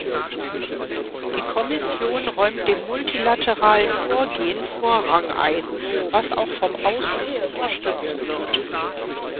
Die Kommission räumt dem multilateralen Vorgehen Vorrang ein, was auch vom Ausschuss unterstützt wird.